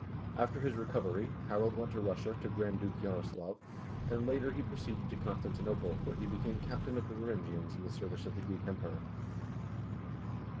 After his recovery, Harald went to Russia to Grand Duke Jaroslaf, and later he proceeded to Constantinople, where he became captain of the Varangians in the service of the Greek Emperor.